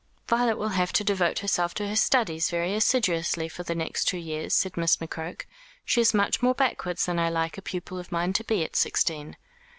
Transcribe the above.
"Violet will have to devote herself to her studies very assiduously for the next two years," said Miss McCroke. "She is much more backwards than I like a pupil of mine to be at sixteen."